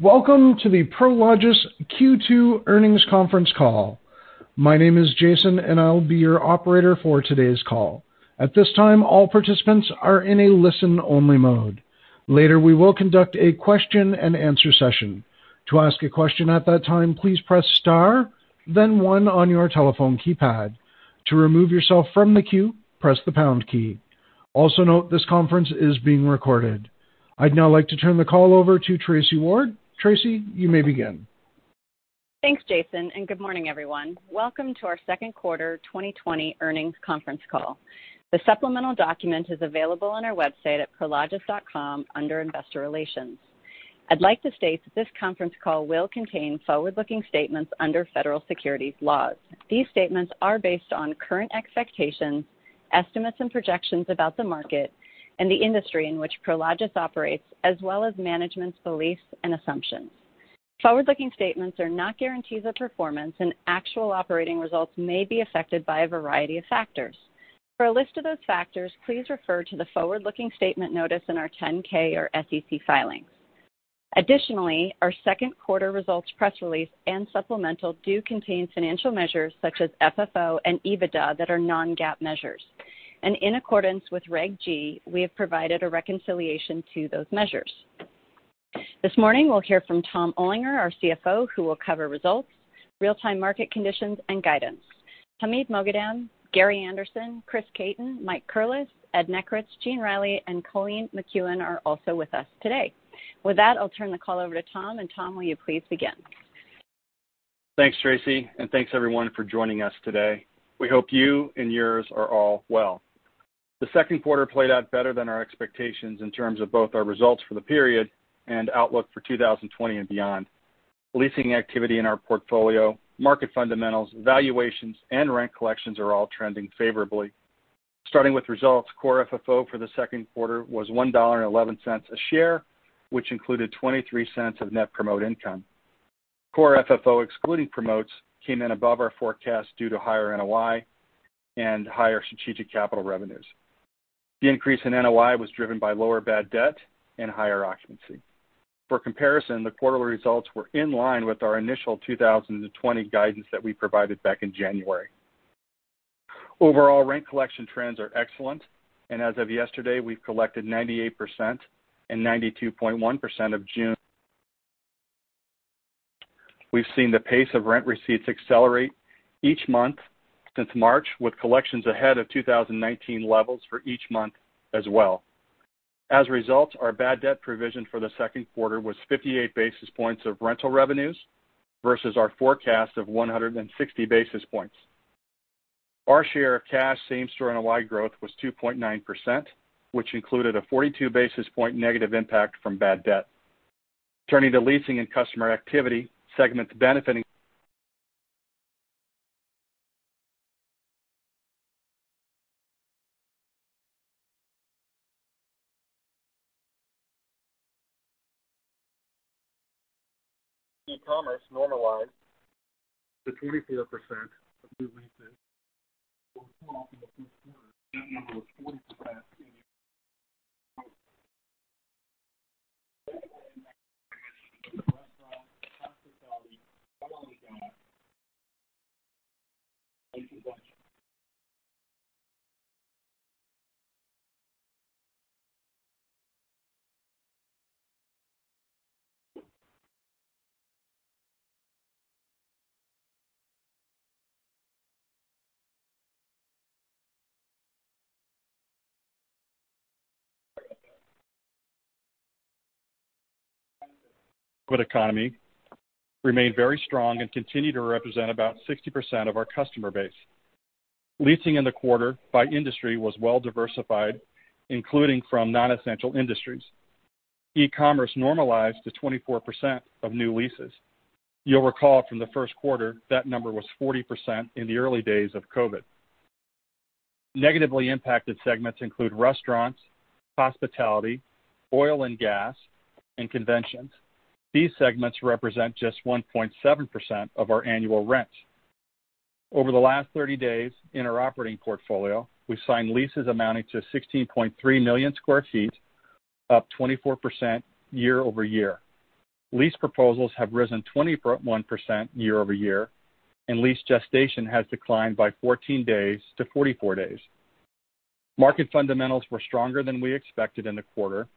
Welcome to the Prologis Q2 earnings conference call. My name is Jason, and I'll be your operator for today's call. At this time, all participants are in a listen-only mode. Later, we will conduct a question and answer session. To ask a question at that time, please press star then one on your telephone keypad. To remove yourself from the queue, press the pound key. Also note this conference is being recorded. I'd now like to turn the call over to Tracy Ward. Tracy, you may begin. Thanks, Jason, and good morning, everyone. Welcome to our second quarter 2020 earnings conference call. The supplemental document is available on our website at prologis.com under Investor Relations. I'd like to state that this conference call will contain forward-looking statements under federal securities laws. These statements are based on current expectations, estimates, and projections about the market and the industry in which Prologis operates, as well as management's beliefs and assumptions. Forward-looking statements are not guarantees of performance, and actual operating results may be affected by a variety of factors. For a list of those factors, please refer to the forward-looking statement notice in our 10-K or SEC filings. Additionally, our second quarter results press release and supplemental do contain financial measures such as FFO and EBITDA that are non-GAAP measures. In accordance with Reg G, we have provided a reconciliation to those measures. This morning we'll hear from Tom Olinger, our CFO, who will cover results, real-time market conditions, and guidance. Hamid Moghadam, Gary Anderson, Chris Caton, Mike Curless, Ed Nekritz, Gene Reilly, and Colleen McKeown are also with us today. With that, I'll turn the call over to Tom, will you please begin? Thanks, Tracy, and thanks, everyone, for joining us today. We hope you and yours are all well. The second quarter played out better than our expectations in terms of both our results for the period and outlook for 2020 and beyond. Leasing activity in our portfolio, market fundamentals, valuations, and rent collections are all trending favorably. Starting with results, core FFO for the second quarter was $1.11 a share, which included $0.23 of net promote income. Core FFO excluding promotes came in above our forecast due to higher NOI and higher strategic capital revenues. The increase in NOI was driven by lower bad debt and higher occupancy. For comparison, the quarterly results were in line with our initial 2020 guidance that we provided back in January. Overall rent collection trends are excellent, and as of yesterday, we've collected 98% and 92.1% of June. We've seen the pace of rent receipts accelerate each month since March, with collections ahead of 2019 levels for each month as well. As a result, our bad debt provision for the second quarter was 58 basis points of rental revenues versus our forecast of 160 basis points. Our share of cash same-store NOI growth was 2.9%, which included a 42 basis point negative impact from bad debt. Turning to leasing and customer activity, segments benefiting E-commerce normalized to 24% of new leases. You'll recall from the first quarter, that number was 40% in the early days of COVID. Negatively impacted segments include restaurants, hospitality, oil and gas, and conventions. These segments represent just 1.7% of our annual rents. Over the last 30 days in our operating portfolio, we've signed leases amounting to 16.3 million square feet, up 24% year-over-year. Lease proposals have risen 21% year-over-year, and lease gestation has declined by 14 days to 44 days. Market fundamentals were stronger than we expected in the quarter,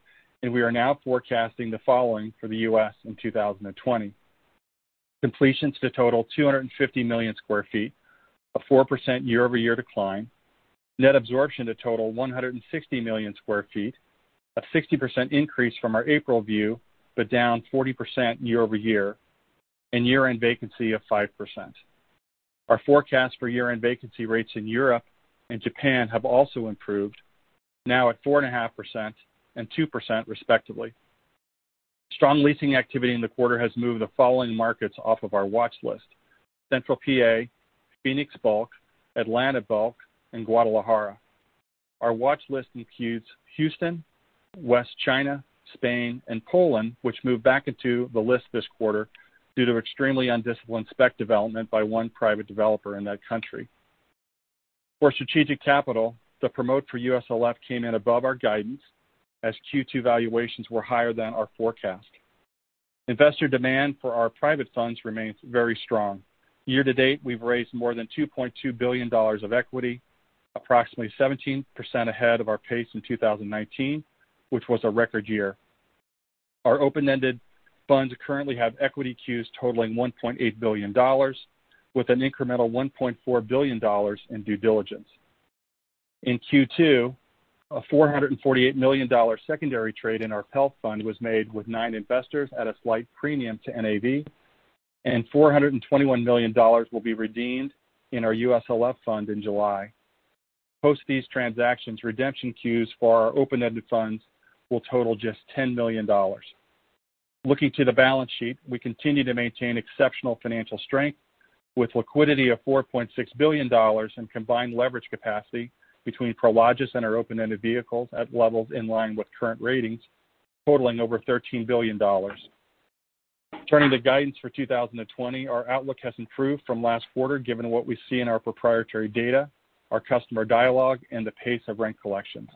and we are now forecasting the following for the U.S. in 2020. Completions to total 250 million square feet, a 4% year-over-year decline. Net absorption to total 160 million square feet, a 60% increase from our April view, but down 40% year-over-year, and year-end vacancy of 5%. Our forecast for year-end vacancy rates in Europe and Japan have also improved, now at 4.5% and 2% respectively. Strong leasing activity in the quarter has moved the following markets off of our watch list: Central P.A., Phoenix Bulk, Atlanta Bulk, and Guadalajara. Our watch list includes Houston, West China, Spain, and Poland, which moved back into the list this quarter due to extremely undisciplined spec development by one private developer in that country. For strategic capital, the promote for USLF came in above our guidance as Q2 valuations were higher than our forecast. Investor demand for our private funds remains very strong. Year to date, we've raised more than $2.2 billion of equity, approximately 17% ahead of our pace in 2019, which was a record year. Our open-ended funds currently have equity queues totaling $1.8 billion, with an incremental $1.4 billion in due diligence. In Q2, a $448 million secondary trade in our PELF fund was made with nine investors at a slight premium to NAV, and $421 million will be redeemed in our USLF fund in July. Post these transactions, redemption queues for our open-ended funds will total just $10 million. Looking to the balance sheet, we continue to maintain exceptional financial strength with liquidity of $4.6 billion and combined leverage capacity between Prologis and our open-ended vehicles at levels in line with current ratings totaling over $13 billion. Turning to guidance for 2020, our outlook has improved from last quarter, given what we see in our proprietary data, our customer dialogue, and the pace of rent collections.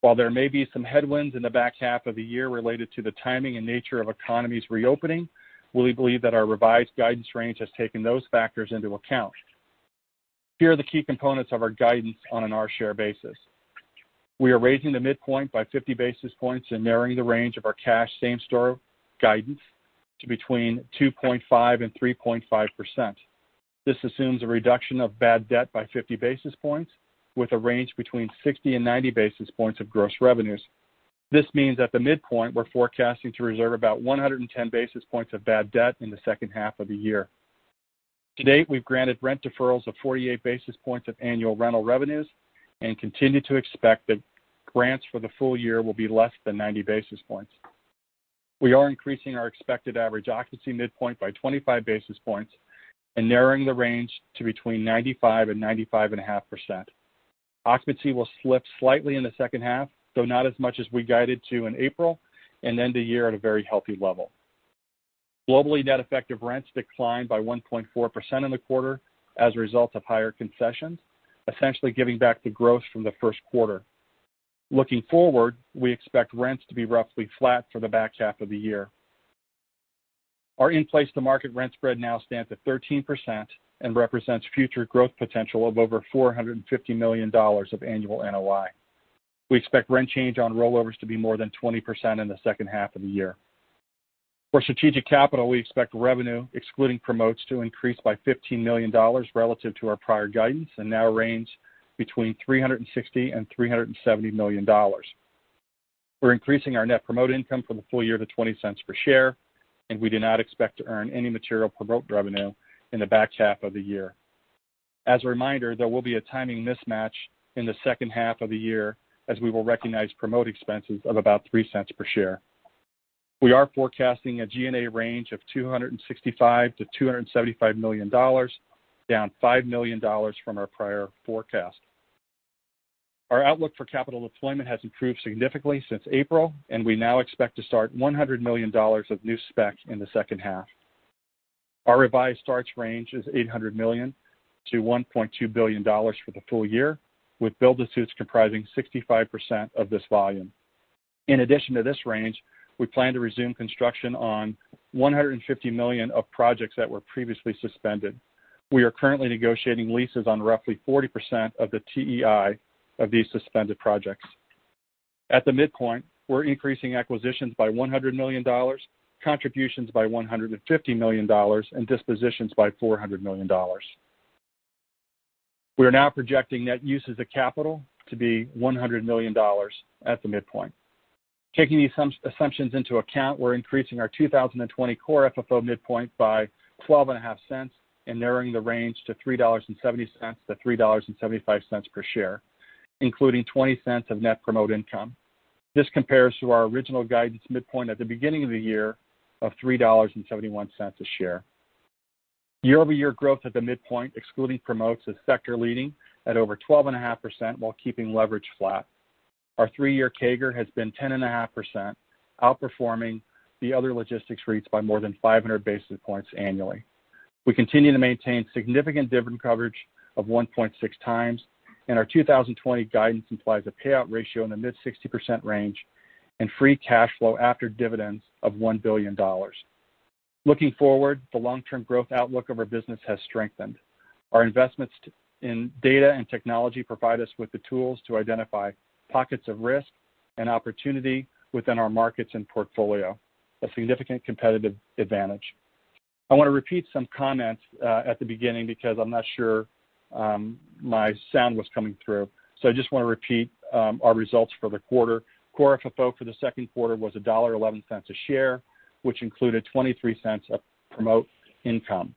While there may be some headwinds in the back half of the year related to the timing and nature of economies reopening, we believe that our revised guidance range has taken those factors into account. Here are the key components of our guidance on an our share basis. We are raising the midpoint by 50 basis points and narrowing the range of our cash same-store guidance to between 2.5% and 3.5%. This assumes a reduction of bad debt by 50 basis points with a range between 60 and 90 basis points of gross revenues. This means at the midpoint, we're forecasting to reserve about 110 basis points of bad debt in the second half of the year. To date, we've granted rent deferrals of 48 basis points of annual rental revenues and continue to expect that grants for the full year will be less than 90 basis points. We are increasing our expected average occupancy midpoint by 25 basis points and narrowing the range to between 95% and 95.5%. Occupancy will slip slightly in the second half, though not as much as we guided to in April, and end the year at a very healthy level. Globally, net effective rents declined by 1.4% in the quarter as a result of higher concessions, essentially giving back the growth from the first quarter. Looking forward, we expect rents to be roughly flat for the back half of the year. Our in-place to market rent spread now stands at 13% and represents future growth potential of over $450 million of annual NOI. We expect rent change on rollovers to be more than 20% in the second half of the year. For strategic capital, we expect revenue excluding promotes to increase by $15 million relative to our prior guidance and now range between $360 and $370 million. We're increasing our net promote income for the full year to $0.20 per share. We do not expect to earn any material promote revenue in the back half of the year. As a reminder, there will be a timing mismatch in the second half of the year as we will recognize promote expenses of about $0.03 per share. We are forecasting a G&A range of $265 million-$275 million, down $5 million from our prior forecast. Our outlook for capital deployment has improved significantly since April, and we now expect to start $100 million of new spec in the second half. Our revised starts range is $800 million-$1.2 billion for the full year, with build-to-suits comprising 65% of this volume. In addition to this range, we plan to resume construction on $150 million of projects that were previously suspended. We are currently negotiating leases on roughly 40% of the TEI of these suspended projects. At the midpoint, we're increasing acquisitions by $100 million, contributions by $150 million, and dispositions by $400 million. We are now projecting net uses of capital to be $100 million at the midpoint. Taking these assumptions into account, we're increasing our 2020 core FFO midpoint by $0.125 and narrowing the range to $3.70-$3.75 per share, including $0.20 of net promote income. This compares to our original guidance midpoint at the beginning of the year of $3.71 a share. Year-over-year growth at the midpoint, excluding promotes, is sector leading at over 12.5% while keeping leverage flat. Our three-year CAGR has been 10.5%, outperforming the other logistics REITs by more than 500 basis points annually. We continue to maintain significant dividend coverage of 1.6 times. Our 2020 guidance implies a payout ratio in the mid-60% range and free cash flow after dividends of $1 billion. Looking forward, the long-term growth outlook of our business has strengthened. Our investments in data and technology provide us with the tools to identify pockets of risk and opportunity within our markets and portfolio, a significant competitive advantage. I want to repeat some comments at the beginning because I'm not sure my sound was coming through. I just want to repeat our results for the quarter. Core FFO for the second quarter was $1.11 a share, which included $0.23 of promote income.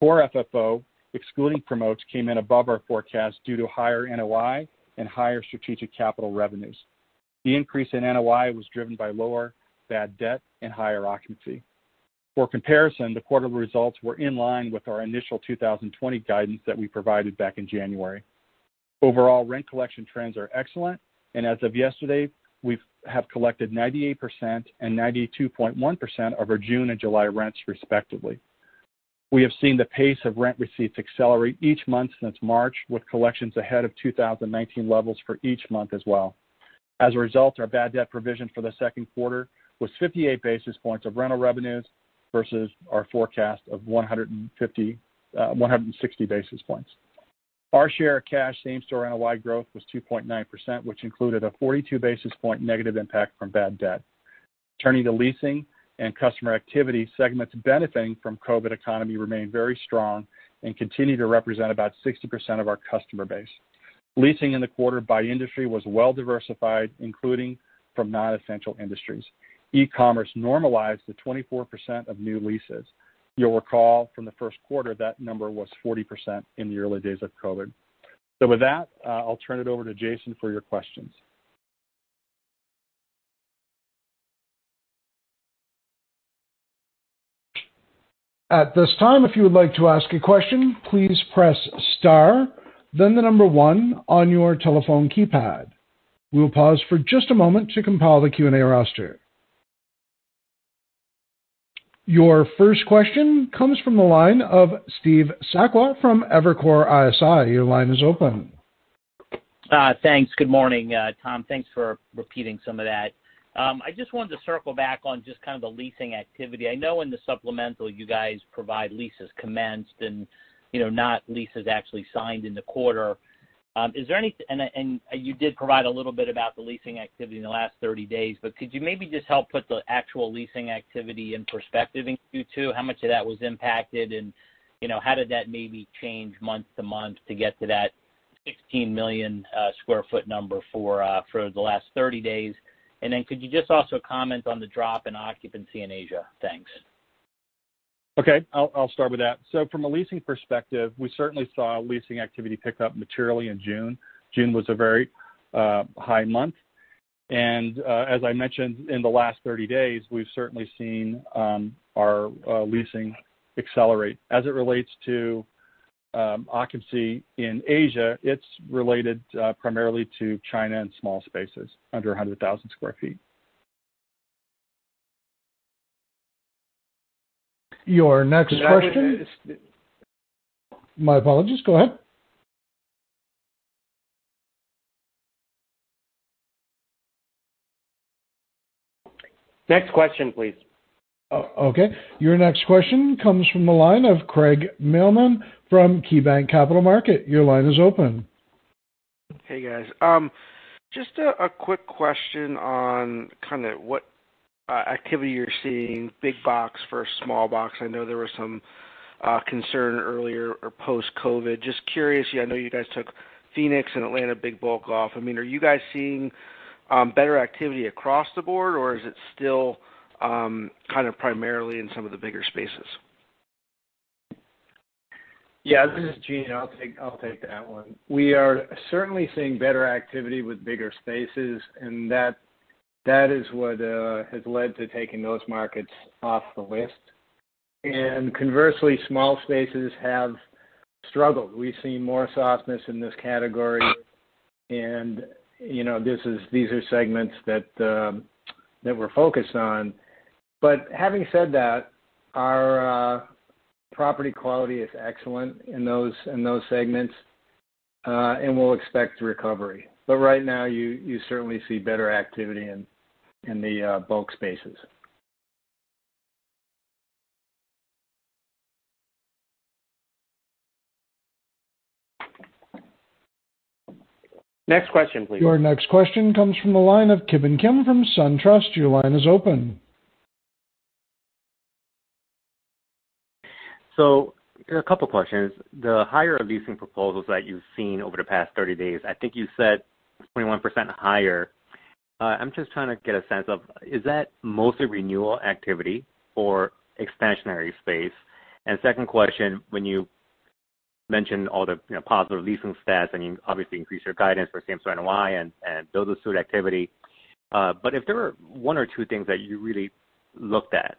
Core FFO, excluding promotes, came in above our forecast due to higher NOI and higher strategic capital revenues. The increase in NOI was driven by lower bad debt and higher occupancy. For comparison, the quarterly results were in line with our initial 2020 guidance that we provided back in January. Overall, rent collection trends are excellent. As of yesterday, we have collected 98% and 92.1% of our June and July rents respectively. We have seen the pace of rent receipts accelerate each month since March, with collections ahead of 2019 levels for each month as well. As a result, our bad debt provision for the second quarter was 58 basis points of rental revenues versus our forecast of 160 basis points. Our share of cash same-store NOI growth was 2.9%, which included a 42 basis point negative impact from bad debt. Turning to leasing and customer activity, segments benefiting from COVID economy remain very strong and continue to represent about 60% of our customer base. Leasing in the quarter by industry was well-diversified, including from non-essential industries. E-commerce normalized to 24% of new leases. You'll recall from the first quarter that number was 40% in the early days of COVID. With that, I'll turn it over to Jason for your questions. At this time, if you would like to ask a question, please press star, then the number one on your telephone keypad. We will pause for just a moment to compile the Q&A roster. Your first question comes from the line of Steve Sakwa from Evercore ISI. Your line is open. Thanks. Good morning, Tom. Thanks for repeating some of that. I just wanted to circle back on just kind of the leasing activity. I know in the supplemental you guys provide leases commenced and not leases actually signed in the quarter. You did provide a little bit about the leasing activity in the last 30 days, but could you maybe just help put the actual leasing activity in perspective in Q2? How much of that was impacted, and how did that maybe change month to month to get to that 16 million sq ft number for the last 30 days? Could you just also comment on the drop in occupancy in Asia? Thanks. Okay. I'll start with that. From a leasing perspective, we certainly saw leasing activity pick up materially in June. June was a very high month. As I mentioned, in the last 30 days, we've certainly seen our leasing accelerate. As it relates to occupancy in Asia, it's related primarily to China and small spaces under 100,000 sq ft. Your next question. And I would- My apologies. Go ahead. Next question, please. Oh, okay. Your next question comes from the line of Craig Mailman from KeyBanc Capital Markets. Your line is open. Hey, guys. Just a quick question on kind of what activity you're seeing, big box versus small box. I know there was some concern earlier or post-COVID. Just curious. I know you guys took Phoenix and Atlanta a big bulk off. Are you guys seeing better activity across the board, or is it still kind of primarily in some of the bigger spaces? Yeah, this is Gene. I'll take that one. We are certainly seeing better activity with bigger spaces, and that is what has led to taking those markets off the list. Conversely, small spaces have struggled. We've seen more softness in this category, and these are segments that we're focused on. Having said that, our property quality is excellent in those segments, and we'll expect a recovery. Right now, you certainly see better activity in the bulk spaces. Next question, please. Your next question comes from the line of Ki Bin Kim from SunTrust. Your line is open. A couple questions. The higher leasing proposals that you've seen over the past 30 days, I think you said 21% higher. I'm just trying to get a sense of, is that mostly renewal activity or expansionary space? Second question, when you mentioned all the positive leasing stats, and you obviously increased your guidance for same-store NOI and build-to-suit activity, but if there were one or two things that you really looked at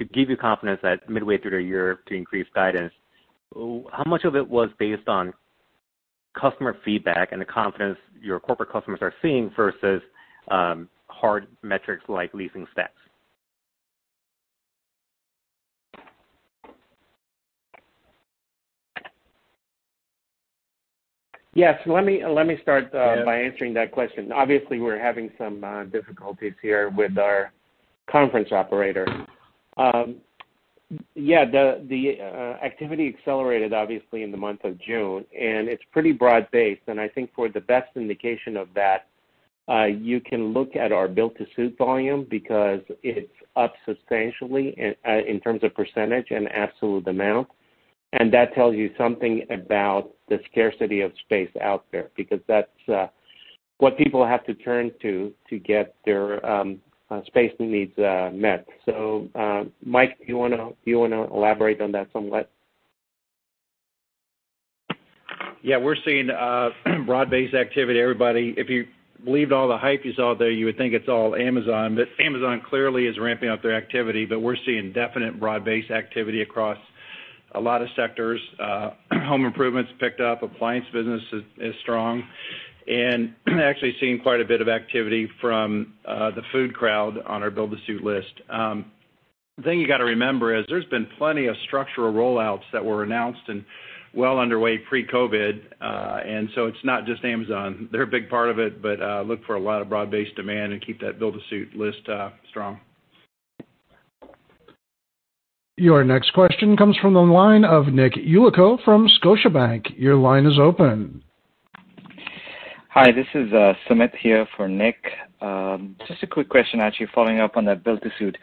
to give you confidence that midway through the year to increase guidance, how much of it was based on customer feedback and the confidence your corporate customers are seeing versus hard metrics like leasing stats? Yes, let me start. Yes by answering that question. Obviously, we're having some difficulties here with our conference operator. Yeah, the activity accelerated obviously in the month of June. It's pretty broad-based. I think for the best indication of that, you can look at our build-to-suit volume because it's up substantially in terms of percentage and absolute amount. That tells you something about the scarcity of space out there, because that's what people have to turn to get their space needs met. Mike, you want to elaborate on that somewhat? Yeah, we're seeing broad-based activity. Everybody, if you believed all the hype you saw there, you would think it's all Amazon. Amazon clearly is ramping up their activity, but we're seeing definite broad-based activity across a lot of sectors. Home improvements picked up. Appliance business is strong. Actually seeing quite a bit of activity from the food crowd on our build-to-suit list. The thing you got to remember is there's been plenty of structural rollouts that were announced and well underway pre-COVID. It's not just Amazon. They're a big part of it, but look for a lot of broad-based demand and keep that build-to-suit list strong. Your next question comes from the line of Nick Yulico from Scotiabank. Your line is open. Hi, this is Sumit here for Nick. Just a quick question, actually following up on that build-to-suit.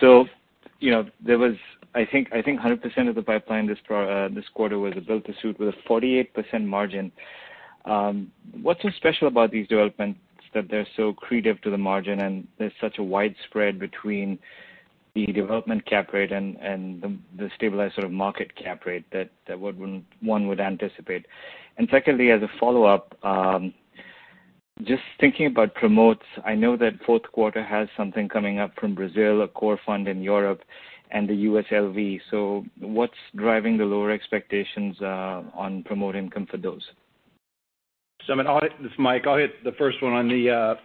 There was, I think, 100% of the pipeline this quarter was a build-to-suit with a 48% margin. What's so special about these developments that they're so accretive to the margin, and there's such a wide spread between the development cap rate and the stabilized sort of market cap rate that one would anticipate? Secondly, as a follow-up, just thinking about promotes, I know that fourth quarter has something coming up from Brazil, a core fund in Europe, and the USLF. What's driving the lower expectations on promote income for those? Sumit, this is Mike. I'll hit the first one on the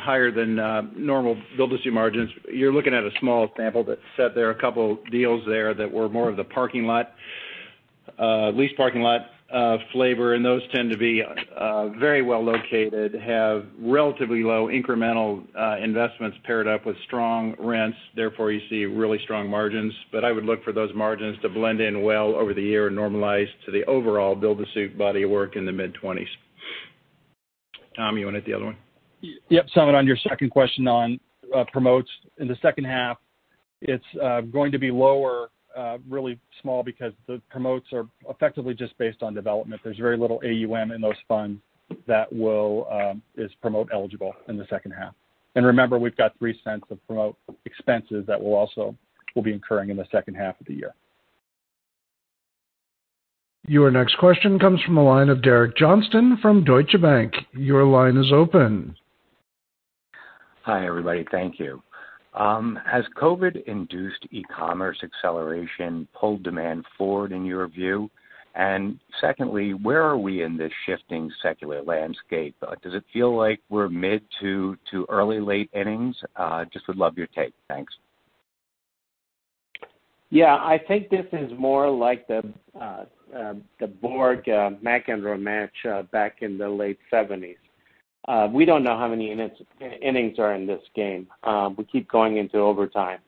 higher than normal build-to-suit margins. You're looking at a small sample that sat there, a couple deals there that were more of the leased parking lot flavor, and those tend to be very well located, have relatively low incremental investments paired up with strong rents, therefore, you see really strong margins. I would look for those margins to blend in well over the year and normalize to the overall build-to-suit body of work in the mid-20s. Tom, you want to hit the other one? Yep. Sumit, on your second question on promotes. In the second half, it's going to be lower, really small, because the promotes are effectively just based on development. There's very little AUM in those funds that is promote eligible in the second half. Remember, we've got $0.03 of promote expenses that we'll be incurring in the second half of the year. Your next question comes from the line of Derek Johnston from Deutsche Bank. Your line is open. Hi, everybody. Thank you. Has COVID induced e-commerce acceleration pulled demand forward in your view? Secondly, where are we in this shifting secular landscape? Does it feel like we're mid to early late innings? Just would love your take. Thanks. Yeah, I think this is more like the Borg-McEnroe match back in the late 1970s. We don't know how many innings are in this game. We keep going into overtime.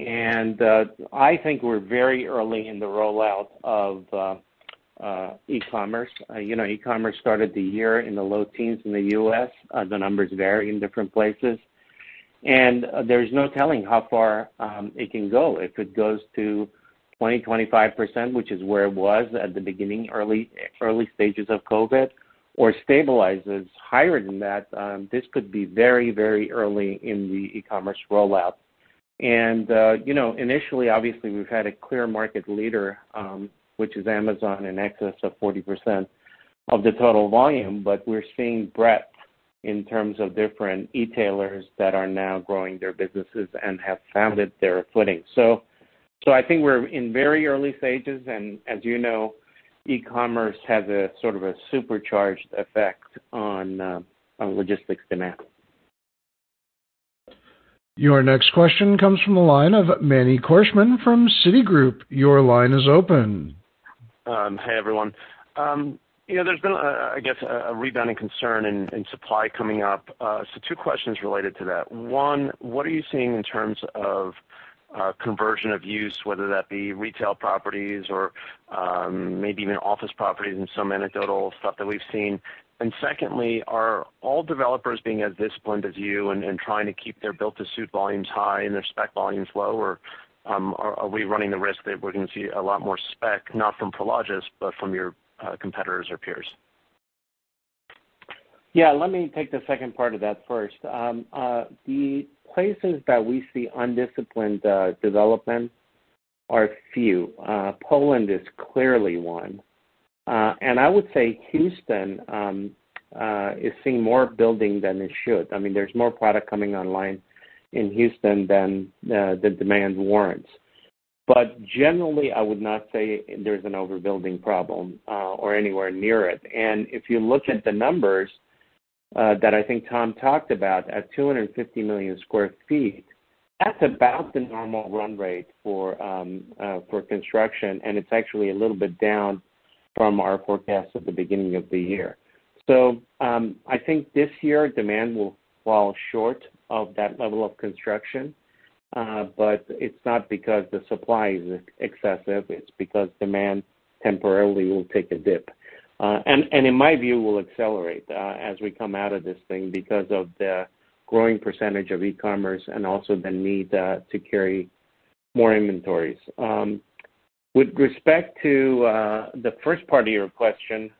I think we're very early in the rollout of e-commerce. E-commerce started the year in the low teens in the U.S. The numbers vary in different places. There's no telling how far it can go. If it goes to 20%, 25%, which is where it was at the beginning, early stages of COVID, or stabilizes higher than that, this could be very, very early in the e-commerce rollout. Initially, obviously, we've had a clear market leader, which is Amazon, in excess of 40% of the total volume. We're seeing breadth in terms of different e-tailers that are now growing their businesses and have founded their footing. I think we're in very early stages, and as you know, e-commerce has a sort of a supercharged effect on logistics demand. Your next question comes from the line of Manny Korchman from Citigroup. Your line is open. Hey, everyone. There's been, I guess, a rebounding concern in supply coming up. Two questions related to that. One, what are you seeing in terms of conversion of use, whether that be retail properties or maybe even office properties and some anecdotal stuff that we've seen? Secondly, are all developers being as disciplined as you and trying to keep their build-to-suit volumes high and their spec volumes low? Are we running the risk that we're going to see a lot more spec, not from Prologis, but from your competitors or peers? Yeah, let me take the second part of that first. The places that we see undisciplined development are few. Poland is clearly one. I would say Houston is seeing more building than it should. I mean, there's more product coming online in Houston than the demand warrants. Generally, I would not say there's an overbuilding problem or anywhere near it. If you look at the numbers that I think Tom talked about, at 250 million sq ft, that's about the normal run rate for construction, and it's actually a little bit down from our forecast at the beginning of the year. I think this year demand will fall short of that level of construction. It's not because the supply is excessive. It's because demand temporarily will take a dip. In my view, will accelerate as we come out of this thing because of the growing percentage of e-commerce and also the need to carry more inventories. With respect to the first part of your question,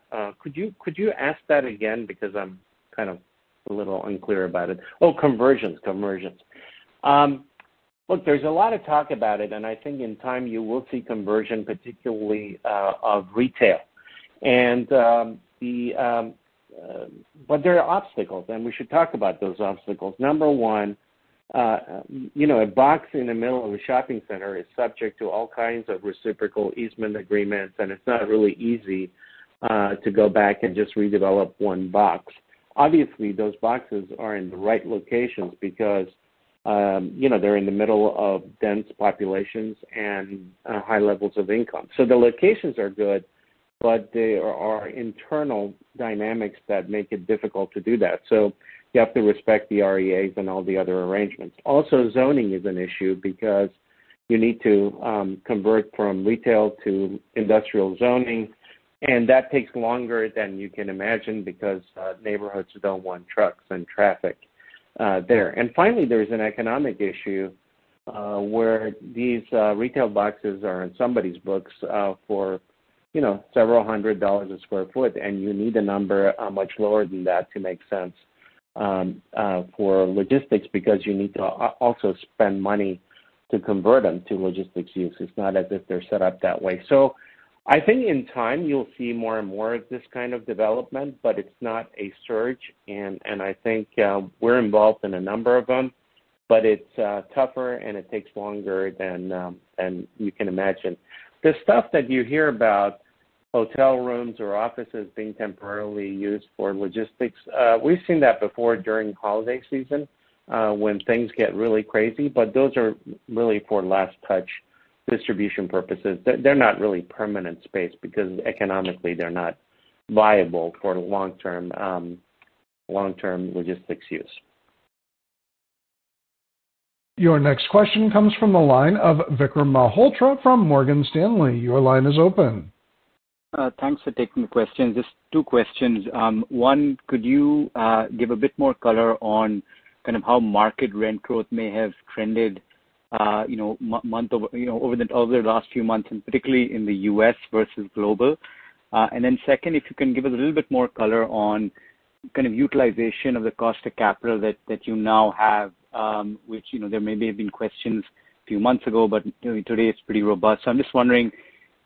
could you ask that again because I'm kind of a little unclear about it. Conversions. Look, there's a lot of talk about it, and I think in time you will see conversion, particularly of retail. There are obstacles, and we should talk about those obstacles. Number one A box in the middle of a shopping center is subject to all kinds of Reciprocal Easement Agreements, and it's not really easy to go back and just redevelop one box. Obviously, those boxes are in the right locations because they're in the middle of dense populations and high levels of income. The locations are good, but there are internal dynamics that make it difficult to do that. You have to respect the REAs and all the other arrangements. Zoning is an issue because you need to convert from retail to industrial zoning, and that takes longer than you can imagine because neighborhoods don't want trucks and traffic there. Finally, there's an economic issue where these retail boxes are in somebody's books for several hundred dollars a square foot, and you need a number much lower than that to make sense for logistics, because you need to also spend money to convert them to logistics use. It's not as if they're set up that way. I think in time you'll see more and more of this kind of development, but it's not a surge, and I think we're involved in a number of them, but it's tougher and it takes longer than you can imagine. The stuff that you hear about hotel rooms or offices being temporarily used for logistics, we've seen that before during holiday season when things get really crazy. Those are really for last touch distribution purposes. They're not really permanent space because economically they're not viable for long-term logistics use. Your next question comes from the line of Vikram Malhotra from Morgan Stanley. Your line is open. Thanks for taking the question. Just two questions. One, could you give a bit more color on kind of how market rent growth may have trended over the last few months, and particularly in the U.S. versus global? Then second, if you can give us a little bit more color on kind of utilization of the cost of capital that you now have, which there may have been questions a few months ago, but today it's pretty robust. I'm just wondering,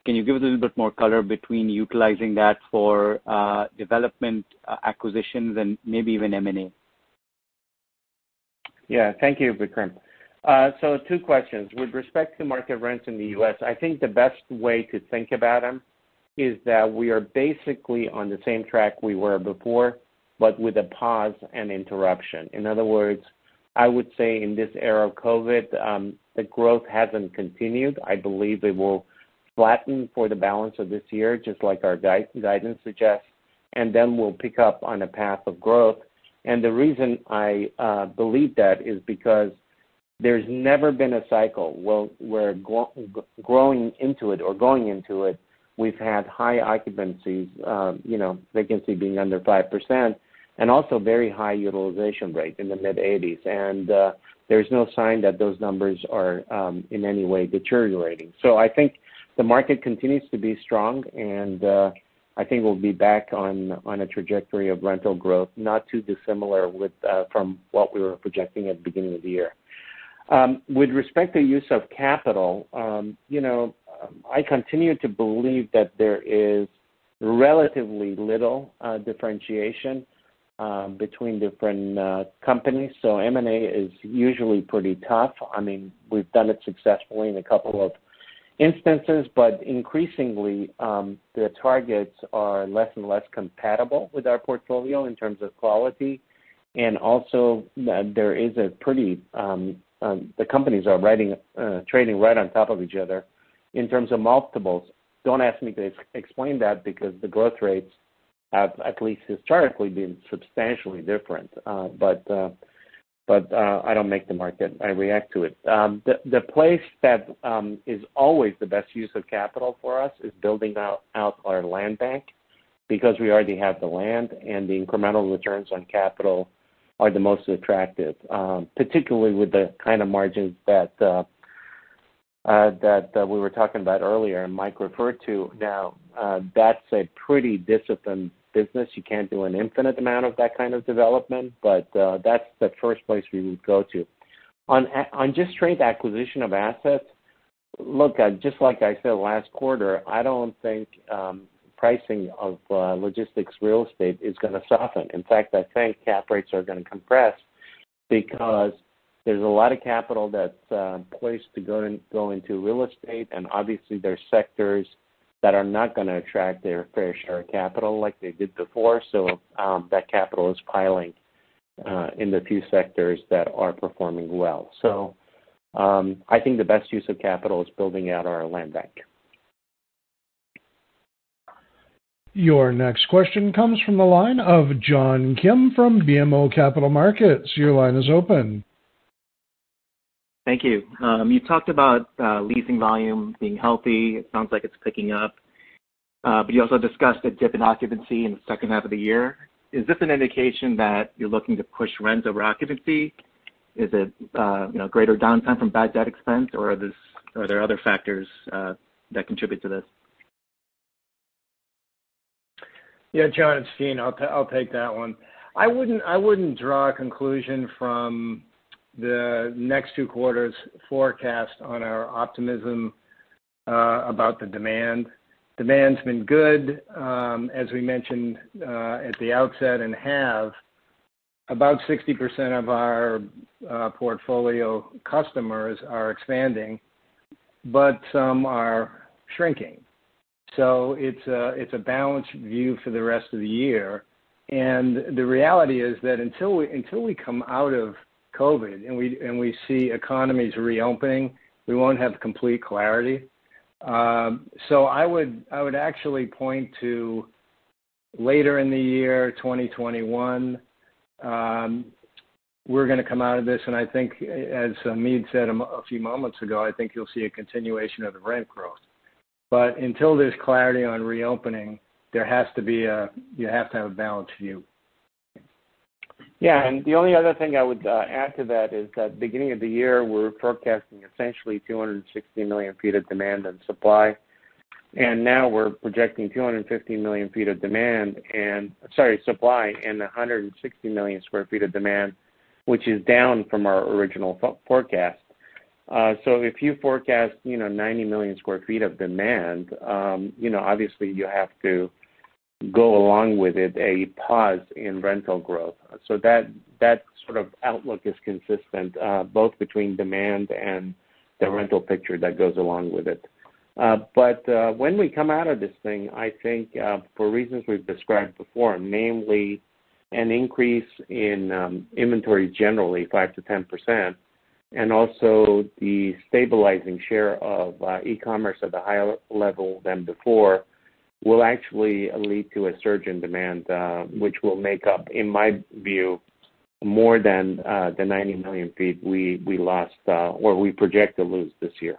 can you give us a little bit more color between utilizing that for development acquisitions and maybe even M&A? Thank you, Vikram. Two questions. With respect to market rents in the U.S., I think the best way to think about them is that we are basically on the same track we were before, but with a pause and interruption. In other words, I would say in this era of COVID, the growth hasn't continued. I believe it will flatten for the balance of this year, just like our guidance suggests, and then we'll pick up on a path of growth. The reason I believe that is because there's never been a cycle where growing into it or going into it, we've had high occupancies, vacancy being under 5%, and also very high utilization rate in the mid 80s, and there's no sign that those numbers are in any way deteriorating. I think the market continues to be strong, and I think we'll be back on a trajectory of rental growth, not too dissimilar from what we were projecting at the beginning of the year. With respect to use of capital, I continue to believe that there is relatively little differentiation between different companies. M&A is usually pretty tough. We've done it successfully in a couple of instances, but increasingly, the targets are less and less compatible with our portfolio in terms of quality. Also, the companies are trading right on top of each other in terms of multiples. Don't ask me to explain that, because the growth rates have, at least historically, been substantially different. I don't make the market. I react to it. The place that is always the best use of capital for us is building out our land bank, because we already have the land, and the incremental returns on capital are the most attractive, particularly with the kind of margins that we were talking about earlier and Mike referred to. That's a pretty disciplined business. You can't do an infinite amount of that kind of development, that's the first place we would go to. On just straight acquisition of assets, look, just like I said last quarter, I don't think pricing of logistics real estate is going to soften. In fact, I think cap rates are going to compress because there's a lot of capital that's placed to go into real estate, obviously there are sectors that are not going to attract their fair share of capital like they did before. That capital is piling in the few sectors that are performing well. I think the best use of capital is building out our land bank. Your next question comes from the line of John Kim from BMO Capital Markets. Your line is open. Thank you. You talked about leasing volume being healthy. It sounds like it's picking up. You also discussed a dip in occupancy in the second half of the year. Is this an indication that you're looking to push rent over occupancy? Is it greater downside from bad debt expense, or are there other factors that contribute to this? Yeah, John, it's Gene. I'll take that one. I wouldn't draw a conclusion from the next two quarters forecast on our optimism about the demand. Demand's been good, as we mentioned at the outset and have. About 60% of our portfolio customers are expanding, some are shrinking. It's a balanced view for the rest of the year. The reality is that until we come out of COVID and we see economies reopening, we won't have complete clarity. I would actually point to later in the year 2021, we're going to come out of this, and I think as Hamid said a few moments ago, I think you'll see a continuation of the rent growth. Until there's clarity on reopening, you have to have a balanced view. Yeah. The only other thing I would add to that is that beginning of the year, we were forecasting essentially 260 million feet of demand and supply. Now we're projecting 250 million feet of supply and 160 million square feet of demand, which is down from our original forecast. If you forecast 90 million square feet of demand, obviously you have to go along with it a pause in rental growth. That sort of outlook is consistent both between demand and the rental picture that goes along with it. When we come out of this thing, I think for reasons we've described before, namely an increase in inventory generally 5%-10%, and also the stabilizing share of e-commerce at a higher level than before, will actually lead to a surge in demand, which will make up, in my view, more than the 90 million feet we lost, or we project to lose this year.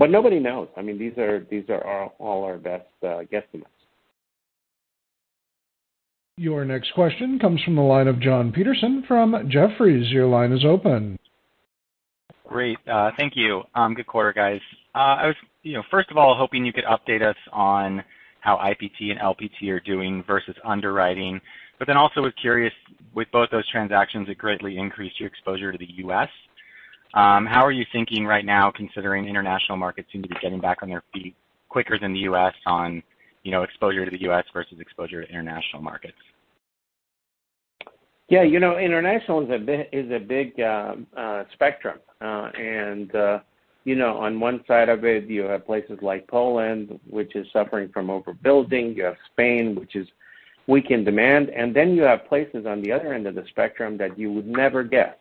Nobody knows. These are all our best guesstimates. Your next question comes from the line of Jon Petersen from Jefferies. Your line is open. Great. Thank you. Good quarter, guys. I was, first of all, hoping you could update us on how IPT and LPT are doing versus underwriting, but then also was curious with both those transactions, it greatly increased your exposure to the U.S. How are you thinking right now considering international markets seem to be getting back on their feet quicker than the U.S. on exposure to the U.S. versus exposure to international markets? Yeah. On one side of it, you have places like Poland, which is suffering from overbuilding. You have Spain, which is weakened demand. You have places on the other end of the spectrum that you would never guess.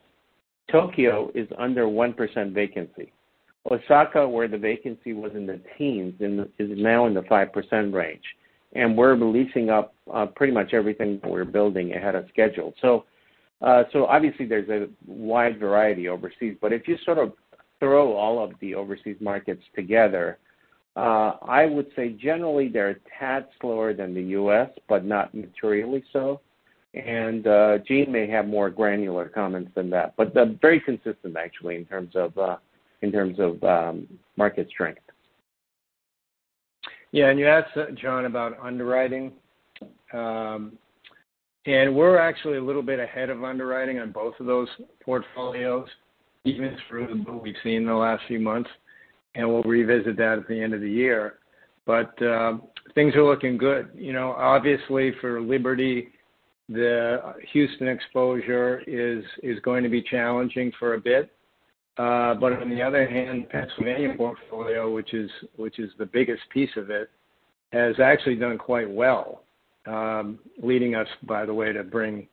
Tokyo is under 1% vacancy. Osaka, where the vacancy was in the teens, is now in the 5% range. We're leasing up pretty much everything we're building ahead of schedule. Obviously there's a wide variety overseas, but if you sort of throw all of the overseas markets together, I would say generally they're a tad slower than the U.S., but not materially so. Gene may have more granular comments than that, but they're very consistent actually in terms of market strength. Yeah. You asked, John, about underwriting. We're actually a little bit ahead of underwriting on both of those portfolios, even through the boom we've seen in the last few months. We'll revisit that at the end of the year. Things are looking good. Obviously for Liberty, the Houston exposure is going to be challenging for a bit. On the other hand, Pennsylvania portfolio, which is the biggest piece of it, has actually done quite well, leading us, by the way, to bring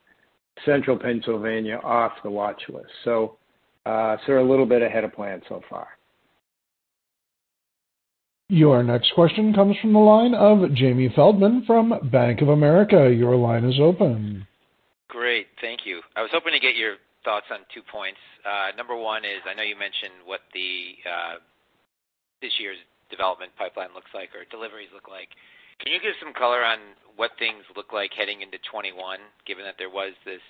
central Pennsylvania off the watch list. A little bit ahead of plan so far. Your next question comes from the line of Jamie Feldman from Bank of America. Your line is open. Great. Thank you. I was hoping to get your thoughts on two points. Number one is, I know you mentioned what this year's development pipeline looks like or deliveries look like. Can you give some color on what things look like heading into 2021, given that there was this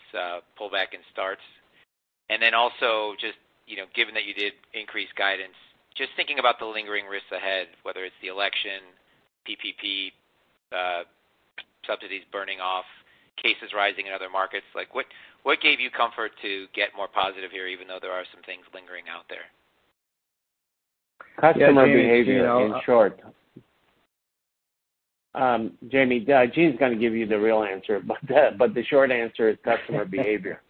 pullback in starts? Also, given that you did increase guidance, just thinking about the lingering risks ahead, whether it's the election, PPP subsidies burning off, cases rising in other markets, what gave you comfort to get more positive here even though there are some things lingering out there? Customer behavior, in short. Jamie, Gene's going to give you the real answer, but the short answer is customer behavior.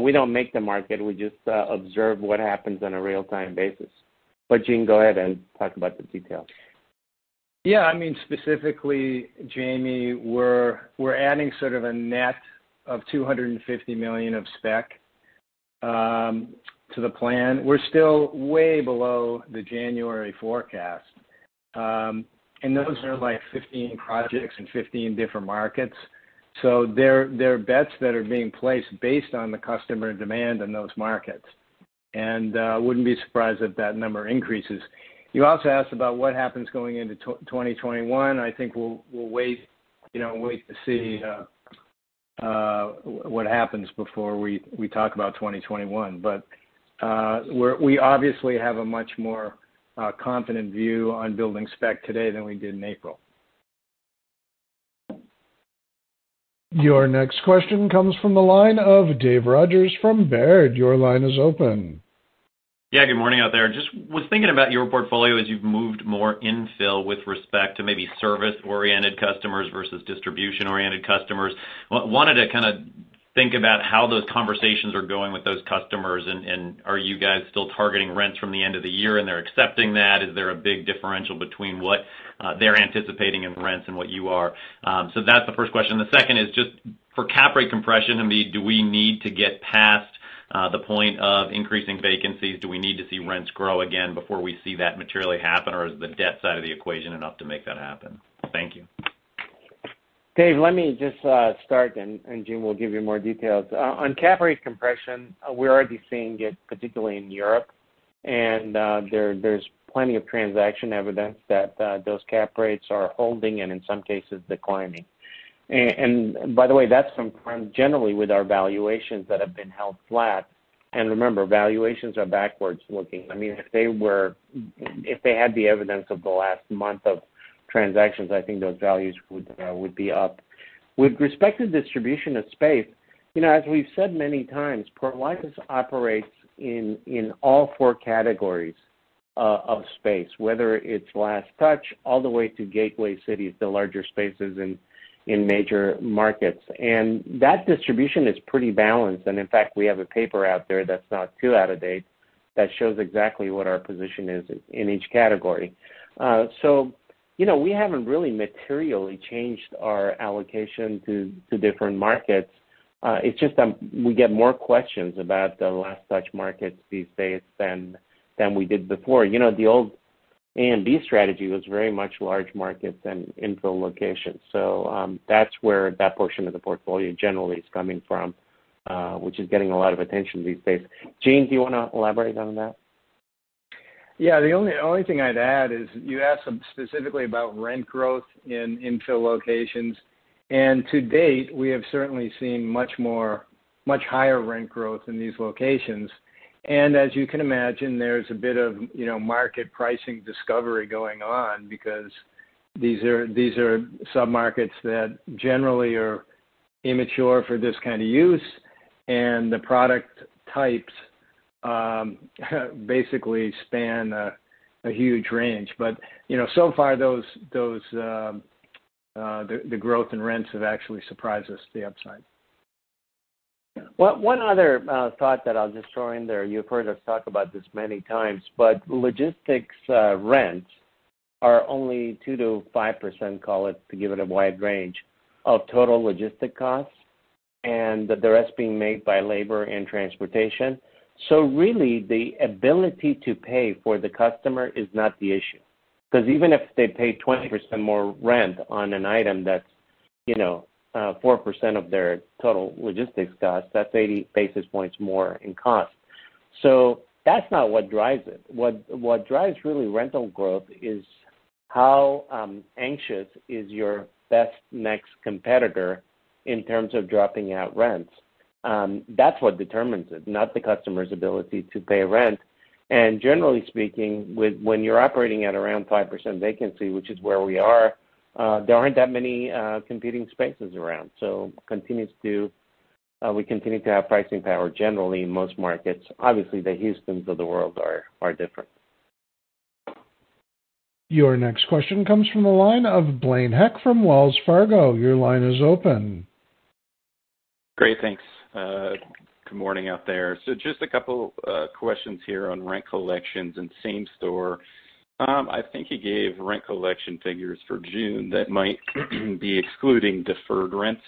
We don't make the market. We just observe what happens on a real-time basis. Gene, go ahead and talk about the details. Yeah. Specifically Jamie, we're adding sort of a net of $250 million of spec to the plan. We're still way below the January forecast. Those are like 15 projects in 15 different markets. They're bets that are being placed based on the customer demand in those markets. I wouldn't be surprised if that number increases. You also asked about what happens going into 2021. I think we'll wait to see what happens before we talk about 2021. We obviously have a much more confident view on building spec today than we did in April. Your next question comes from the line of David Rogers from Baird. Your line is open. Good morning out there. Just was thinking about your portfolio as you've moved more infill with respect to maybe service-oriented customers versus distribution-oriented customers. Wanted to kind of think about how those conversations are going with those customers, and are you guys still targeting rents from the end of the year, and they're accepting that? Is there a big differential between what they're anticipating in rents and what you are? That's the first question. The second is just for cap rate compression, do we need to get past the point of increasing vacancies? Do we need to see rents grow again before we see that materially happen, or is the debt side of the equation enough to make that happen? Thank you. David, let me just start, Gene will give you more details. On cap rate compression, we're already seeing it, particularly in Europe. There's plenty of transaction evidence that those cap rates are holding and in some cases declining. By the way, that's concurrent generally with our valuations that have been held flat. Remember, valuations are backwards looking. If they had the evidence of the last month of transactions, I think those values would be up. With respect to distribution of space, as we've said many times, Prologis operates in all 4 categories of space. Whether it's last touch, all the way to gateway cities, the larger spaces in major markets. That distribution is pretty balanced, and in fact, we have a paper out there that's not too out of date that shows exactly what our position is in each category. We haven't really materially changed our allocation to different markets. It's just we get more questions about the last touch markets these days than we did before. The old AMB strategy was very much large markets and infill locations. That's where that portion of the portfolio generally is coming from, which is getting a lot of attention these days. Gene, do you want to elaborate on that? Yeah, the only thing I'd add is you asked specifically about rent growth in infill locations. To date, we have certainly seen much higher rent growth in these locations. As you can imagine, there's a bit of market pricing discovery going on because these are sub-markets that generally are immature for this kind of use, and the product types basically span a huge range. So far, the growth in rents have actually surprised us to the upside. One other thought that I'll just throw in there, you've heard us talk about this many times, but logistics rents are only 2%-5%, call it, to give it a wide range, of total logistic costs, and the rest being made by labor and transportation. Really, the ability to pay for the customer is not the issue. Because even if they pay 20% more rent on an item that's 4% of their total logistics cost, that's 80 basis points more in cost. That's not what drives it. What drives really rental growth is how anxious is your best next competitor in terms of dropping out rents. That's what determines it, not the customer's ability to pay rent. Generally speaking, when you're operating at around 5% vacancy, which is where we are, there aren't that many competing spaces around. We continue to have pricing power generally in most markets. Obviously, the Houstons of the world are different. Your next question comes from the line of Blaine Heck from Wells Fargo. Your line is open. Great. Thanks. Good morning out there. Just a couple questions here on rent collections and same-store. Tom, I think you gave rent collection figures for June that might be excluding deferred rents.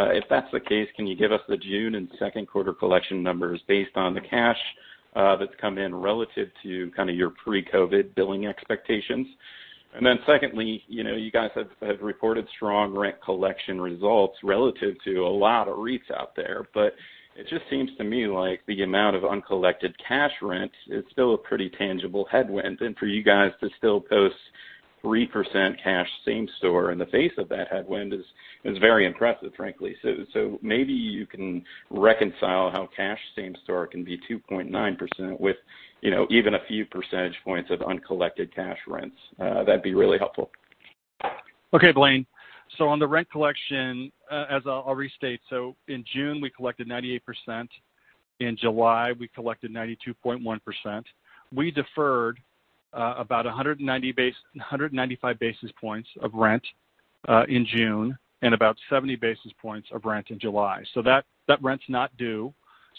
If that's the case, can you give us the June and second quarter collection numbers based on the cash that's come in relative to kind of your pre-COVID billing expectations? Secondly, you guys have reported strong rent collection results relative to a lot of REITs out there. It just seems to me like the amount of uncollected cash rents is still a pretty tangible headwind. For you guys to still post 3% cash same-store in the face of that headwind is very impressive, frankly. Maybe you can reconcile how cash same-store can be 2.9% with even a few percentage points of uncollected cash rents. That'd be really helpful. Okay, Blaine. On the rent collection, as I'll restate, in June, we collected 98%. In July, we collected 92.1%. We deferred about 195 basis points of rent in June and about 70 basis points of rent in July. That rent's not due,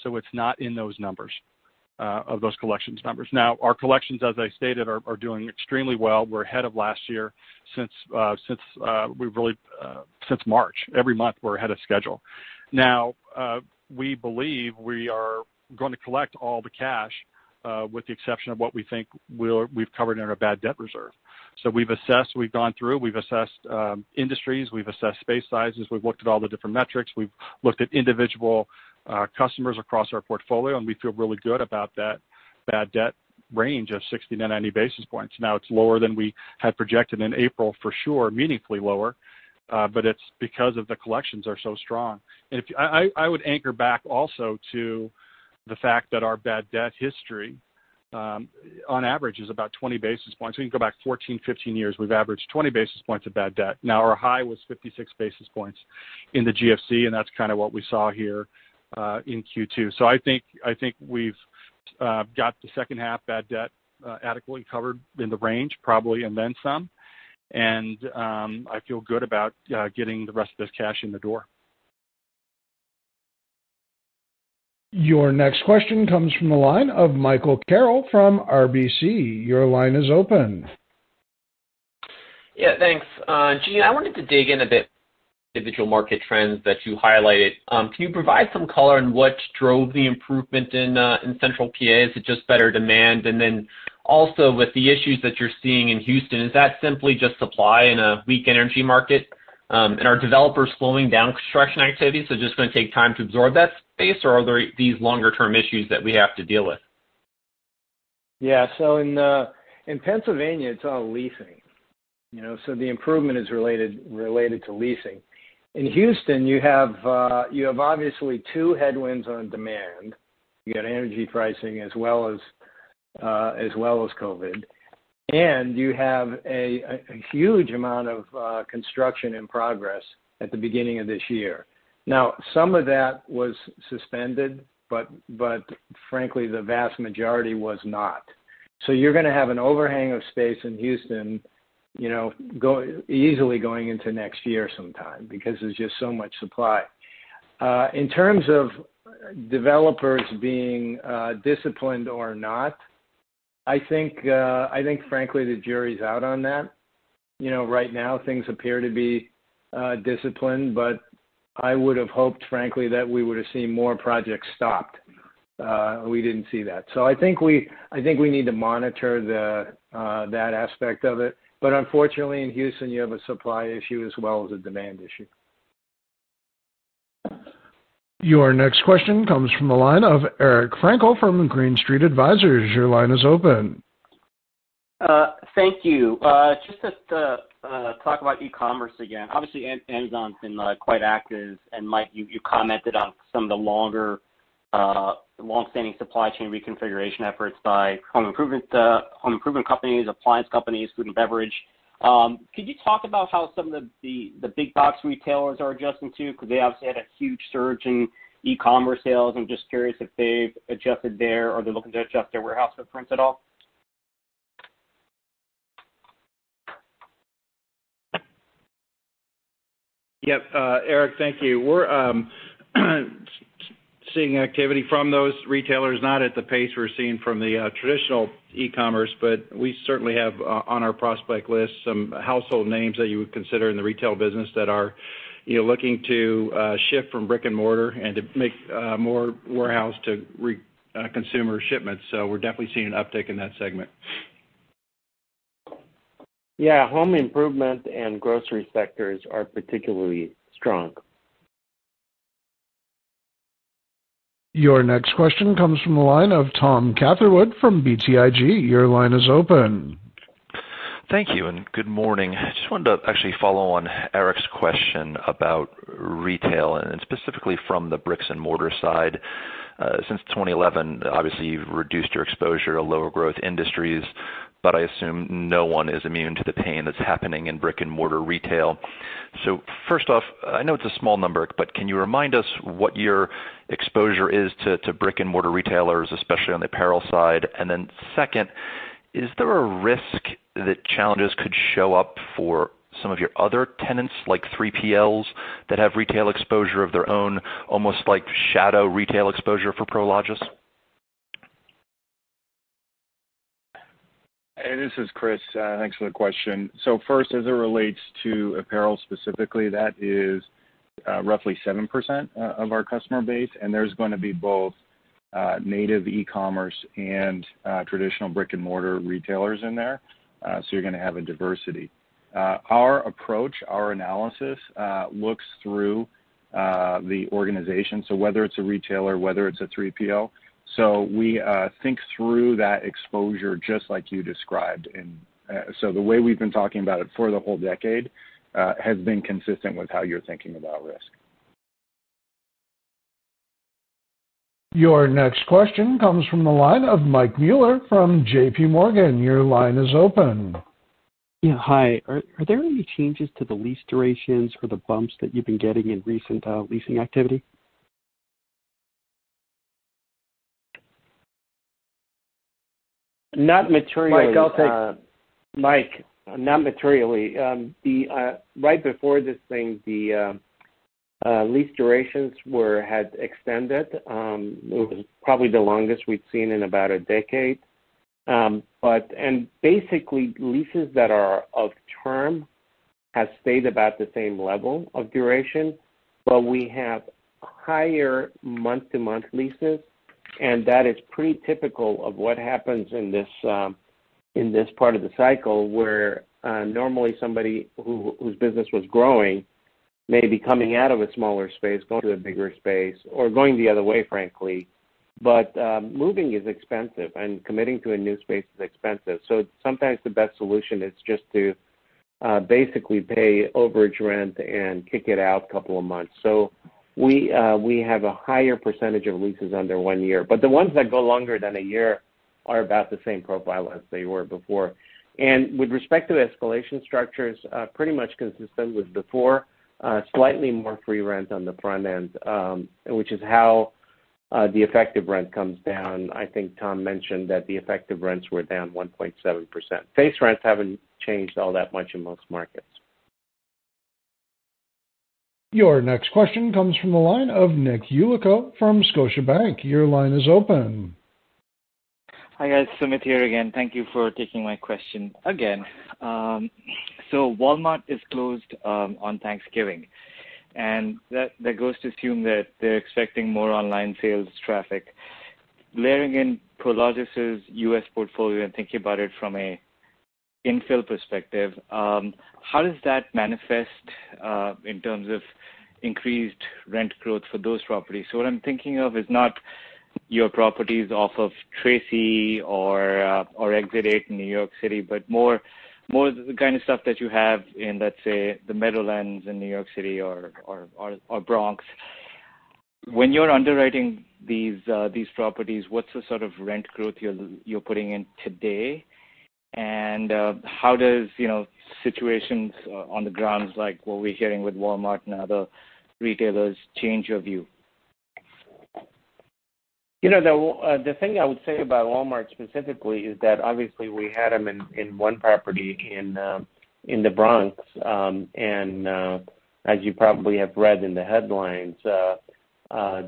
it's not in those numbers, of those collections numbers. Our collections, as I stated, are doing extremely well. We're ahead of last year since March. Every month, we're ahead of schedule. We believe we are going to collect all the cash with the exception of what we think we've covered in our bad debt reserve. We've assessed, we've gone through, we've assessed industries, we've assessed space sizes. We've looked at all the different metrics. We've looked at individual customers across our portfolio, and we feel really good about that bad debt range of 60-90 basis points. It's lower than we had projected in April, for sure, meaningfully lower. It's because of the collections are so strong. I would anchor back also to the fact that our bad debt history On average is about 20 basis points. We can go back 14, 15 years, we've averaged 20 basis points of bad debt. Our high was 56 basis points in the GFC, that's kind of what we saw here, in Q2. I think we've got the second-half bad debt adequately covered in the range, probably, and then some. I feel good about getting the rest of this cash in the door. Your next question comes from the line of Michael Carroll from RBC. Your line is open. Yeah, thanks. Gene, I wanted to dig in a bit individual market trends that you highlighted. Can you provide some color on what drove the improvement in Central PA? Is it just better demand? With the issues that you're seeing in Houston, is that simply just supply in a weak energy market? Are developers slowing down construction activity, so just going to take time to absorb that space, or are there these longer-term issues that we have to deal with? In Pennsylvania, it's all leasing. The improvement is related to leasing. In Houston, you have obviously two headwinds on demand. You got energy pricing as well as COVID. You have a huge amount of construction in progress at the beginning of this year. Now, some of that was suspended, frankly, the vast majority was not. You're going to have an overhang of space in Houston easily going into next year sometime because there's just so much supply. In terms of developers being disciplined or not, I think, frankly, the jury's out on that. Right now, things appear to be disciplined, I would've hoped, frankly, that we would've seen more projects stopped. We didn't see that. I think we need to monitor that aspect of it. Unfortunately, in Houston, you have a supply issue as well as a demand issue. Your next question comes from the line of Eric Frankel from Green Street Advisors. Your line is open. Thank you. Just to talk about e-commerce again. Obviously, Amazon's been quite active, and Mike, you commented on some of the longstanding supply chain reconfiguration efforts by home improvement companies, appliance companies, food and beverage. Could you talk about how some of the big box retailers are adjusting too? They obviously had a huge surge in e-commerce sales. I'm just curious if they've adjusted there, or they're looking to adjust their warehouse footprints at all. Yep. Eric, thank you. We're seeing activity from those retailers, not at the pace we're seeing from the traditional e-commerce, but we certainly have on our prospect list some household names that you would consider in the retail business that are looking to shift from brick and mortar and to make more warehouse to consumer shipments. We're definitely seeing an uptick in that segment. Yeah. Home improvement and grocery sectors are particularly strong. Your next question comes from the line of Tom Catherwood from BTIG. Your line is open. Thank you. Good morning. I just wanted to actually follow on Eric's question about retail, and specifically from the bricks and mortar side. Since 2011, obviously you've reduced your exposure to lower growth industries, but I assume no one is immune to the pain that's happening in brick and mortar retail. First off, I know it's a small number, but can you remind us what your exposure is to brick and mortar retailers, especially on the apparel side? Second, is there a risk that challenges could show up for some of your other tenants, like 3PLs, that have retail exposure of their own, almost like shadow retail exposure for Prologis? This is Chris. Thanks for the question. First, as it relates to apparel specifically, that is roughly 7% of our customer base, and there's going to be both native e-commerce and traditional brick and mortar retailers in there. You're going to have a diversity. Our approach, our analysis, looks through the organization. Whether it's a retailer, whether it's a 3PL. We think through that exposure just like you described. The way we've been talking about it for the whole decade, has been consistent with how you're thinking about risk. Your next question comes from the line of Michael Mueller from JPMorgan. Your line is open. Yeah. Hi. Are there any changes to the lease durations for the bumps that you've been getting in recent leasing activity? Not materially. Mike, Mike, not materially. Right before this thing, the lease durations had extended. It was probably the longest we'd seen in about a decade. Basically, leases that are off-term have stayed about the same level of duration, but we have higher month-to-month leases, and that is pretty typical of what happens in this part of the cycle where normally somebody whose business was growing may be coming out of a smaller space, going to a bigger space or going the other way, frankly. Moving is expensive, and committing to a new space is expensive. Sometimes the best solution is just to Basically pay overage rent and kick it out a couple of months. We have a higher percentage of leases under one year. The ones that go longer than a year are about the same profile as they were before. With respect to escalation structures, pretty much consistent with before. Slightly more free rent on the front end, which is how the effective rent comes down. I think Tom mentioned that the effective rents were down 1.7%. Base rents haven't changed all that much in most markets. Your next question comes from the line of Nick Yulico from Scotiabank. Your line is open. Hi, guys. Sumit here again. Thank you for taking my question again. Walmart is closed on Thanksgiving, and that goes to assume that they're expecting more online sales traffic. Layering in Prologis' U.S. portfolio and thinking about it from a infill perspective, how does that manifest in terms of increased rent growth for those properties? What I'm thinking of is not your properties off of Tracy or Exit 8A in New York City, but more the kind of stuff that you have in, let's say, the Meadowlands in New York City or Bronx. When you're underwriting these properties, what's the sort of rent growth you're putting in today, and how does situations on the grounds like what we're hearing with Walmart and other retailers change your view? The thing I would say about Walmart specifically is that obviously we had them in one property in the Bronx. As you probably have read in the headlines,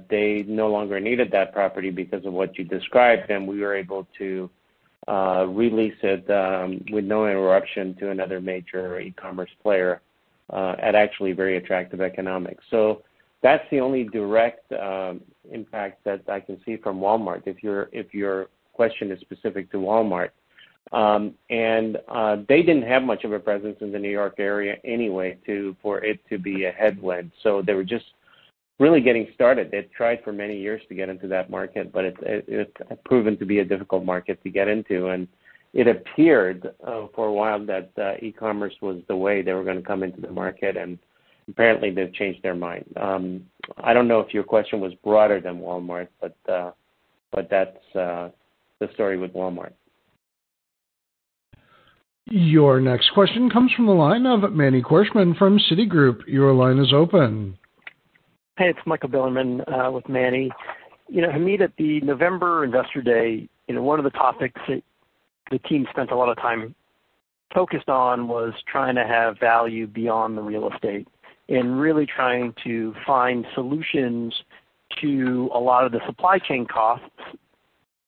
they no longer needed that property because of what you described, and we were able to re-lease it with no interruption to another major e-commerce player at actually very attractive economics. That's the only direct impact that I can see from Walmart, if your question is specific to Walmart. They didn't have much of a presence in the New York area anyway for it to be a headwind. They were just really getting started. They'd tried for many years to get into that market, but it's proven to be a difficult market to get into. It appeared for a while that e-commerce was the way they were going to come into the market, and apparently, they've changed their mind. I don't know if your question was broader than Walmart, but that's the story with Walmart. Your next question comes from the line of Manny Korchman from Citigroup. Your line is open. Hey, it's Michael Bilerman with Manny. You know, Hamid, at the November investor day, one of the topics that the team spent a lot of time focused on was trying to have value beyond the real estate and really trying to find solutions to a lot of the supply chain costs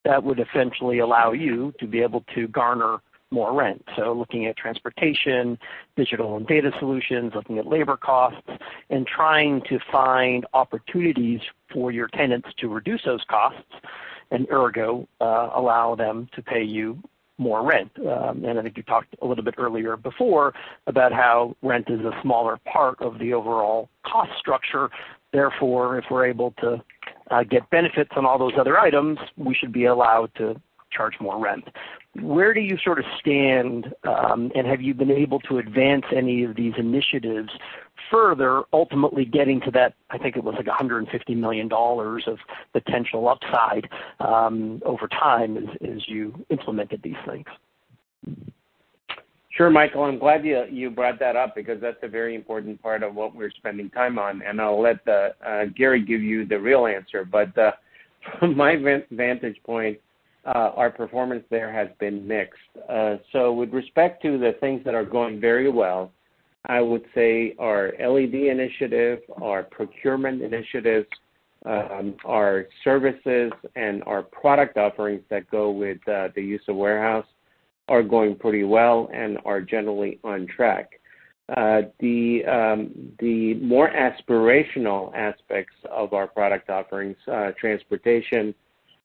that would essentially allow you to be able to garner more rent. Looking at transportation, digital and data solutions, looking at labor costs, and trying to find opportunities for your tenants to reduce those costs and ergo allow them to pay you more rent. I think you talked a little bit earlier before about how rent is a smaller part of the overall cost structure, therefore, if we're able to get benefits on all those other items, we should be allowed to charge more rent. Where do you sort of stand, and have you been able to advance any of these initiatives further, ultimately getting to that, I think it was like $150 million of potential upside over time as you implemented these things? Sure, Michael. I'm glad you brought that up because that's a very important part of what we're spending time on. I'll let Gary give you the real answer. From my vantage point, our performance there has been mixed. With respect to the things that are going very well, I would say our LED initiative, our procurement initiatives, our services and our product offerings that go with the use of warehouse are going pretty well and are generally on track. The more aspirational aspects of our product offerings, transportation,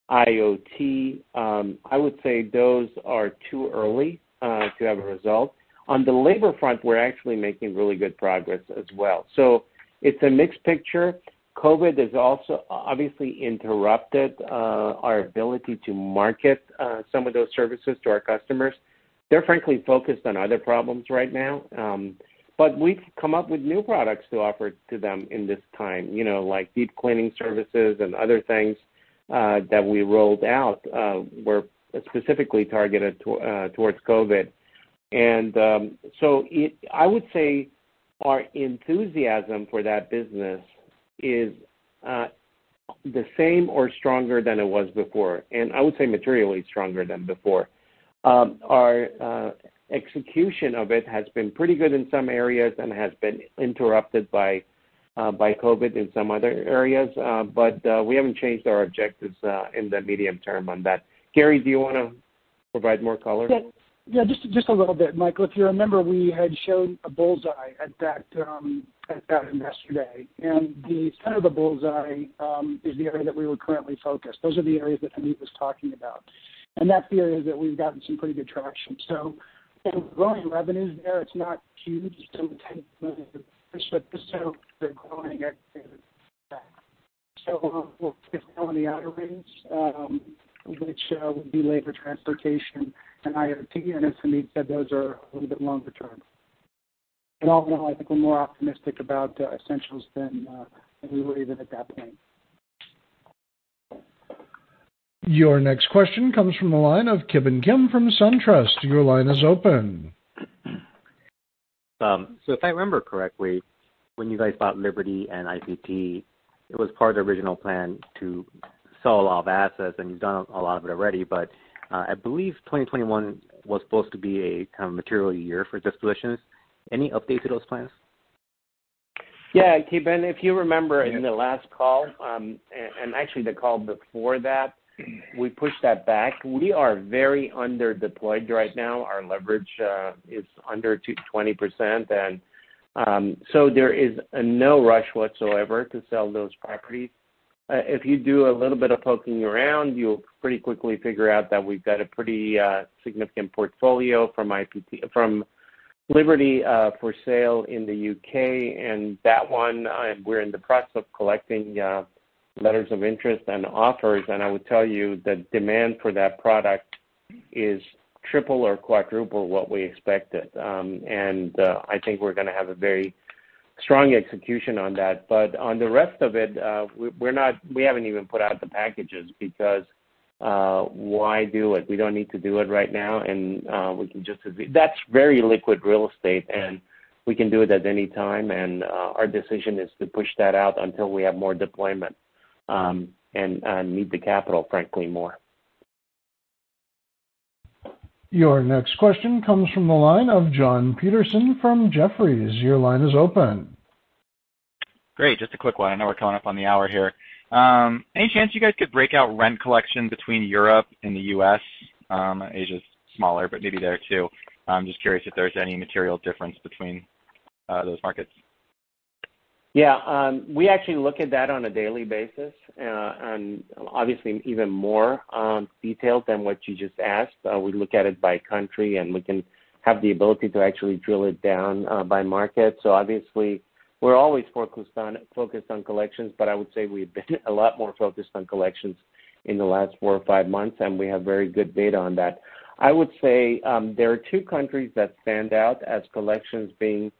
IoT, I would say those are too early to have a result. On the labor front, we're actually making really good progress as well. It's a mixed picture. COVID has also obviously interrupted our ability to market some of those services to our customers. They're frankly focused on other problems right now. We've come up with new products to offer to them in this time, like deep cleaning services and other things that we rolled out were specifically targeted towards COVID. I would say our enthusiasm for that business is the same or stronger than it was before. I would say materially stronger than before. Our execution of it has been pretty good in some areas and has been interrupted by COVID in some other areas. We haven't changed our objectives in the medium term on that. Gary, do you want to provide more color? Yeah. Just a little bit, Michael. If you remember, we had shown a bullseye at that investor day. The center of the bullseye is the area that we were currently focused. Those are the areas that Hamid was talking about. That's the area that we've gotten some pretty good traction. We're growing revenues there. It's not huge in terms of the percentage of the total, but they're. [inaudible] We'll get some of the outer rings, which would be labor, transportation, and IPT, and as Sumit said, those are a little bit longer term. All in all, I think we're more optimistic about Essentials than we were even at that point. Your next question comes from the line of Ki Bin Kim from SunTrust. Your line is open. If I remember correctly, when you guys bought Liberty and IPT, it was part of the original plan to sell off assets. You've done a lot of it already. I believe 2021 was supposed to be a kind of material year for dispositions. Any update to those plans? Yeah, Ki Bin, if you remember in the last call, actually the call before that, we pushed that back. We are very under deployed right now. Our leverage is under 20%. There is no rush whatsoever to sell those properties. If you do a little bit of poking around, you'll pretty quickly figure out that we've got a pretty significant portfolio from Liberty for sale in the U.K. That one, we're in the process of collecting letters of interest and offers, and I would tell you the demand for that product is triple or quadruple what we expected. I think we're going to have a very strong execution on that. On the rest of it, we haven't even put out the packages because why do it? We don't need to do it right now. That's very liquid real estate, and we can do it at any time. Our decision is to push that out until we have more deployment, and need the capital, frankly, more. Your next question comes from the line of Jon Petersen from Jefferies. Your line is open. Great. Just a quick one. I know we're coming up on the hour here. Any chance you guys could break out rent collection between Europe and the U.S.? Asia's smaller, but maybe there too. I'm just curious if there's any material difference between those markets. We actually look at that on a daily basis. Obviously even more detailed than what you just asked. We look at it by country, and we can have the ability to actually drill it down by market. Obviously we're always focused on collections, but I would say we've been a lot more focused on collections in the last four or five months, and we have very good data on that. I would say, there are two countries that stand out as collections being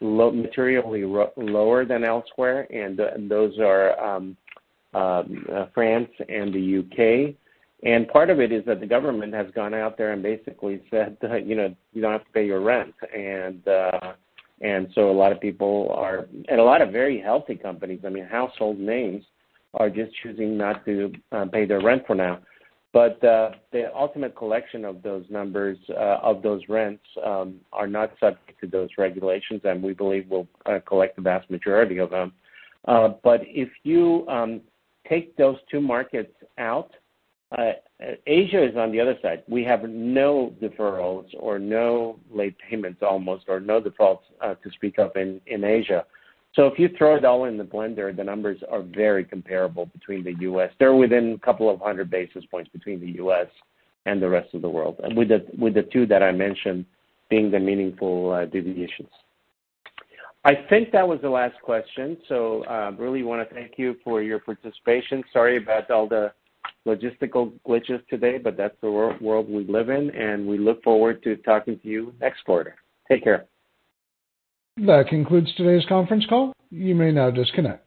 materially lower than elsewhere, and those are France and the U.K. Part of it is that the government has gone out there and basically said, "You don't have to pay your rent." A lot of very healthy companies, I mean, household names are just choosing not to pay their rent for now. The ultimate collection of those numbers, of those rents, are not subject to those regulations, and we believe we'll collect the vast majority of them. If you take those two markets out, Asia is on the other side. We have no deferrals or no late payments almost, or no defaults to speak of in Asia. If you throw it all in the blender, the numbers are very comparable between the U.S. They're within a couple of hundred basis points between the U.S. and the rest of the world. With the two that I mentioned being the meaningful deviations. I think that was the last question. Really want to thank you for your participation. Sorry about all the logistical glitches today, but that's the world we live in, and we look forward to talking to you next quarter. Take care. That concludes today's conference call. You may now disconnect.